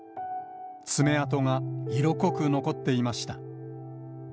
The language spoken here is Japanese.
爪痕が色濃く残っていました。